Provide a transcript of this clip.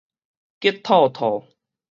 激怐怐